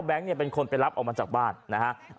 เนี่ยเป็นคนไปรับออกมาจากบ้านนะฮะ